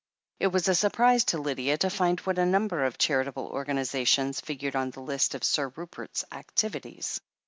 It was a surprise to Lydia to find what a number of charitable organizations figured on the list of Sir Rupert's activities.